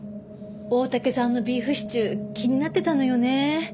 大竹さんのビーフシチュー気になってたのよね。